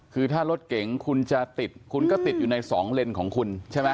คือถ้ารถเก๋งคุณจะติดคุณก็ติดอยู่ใน๒เลนของคุณใช่ไหม